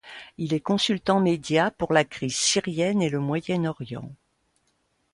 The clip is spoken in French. Il est consultant médias pour la crise syrienne et le moyen-orient.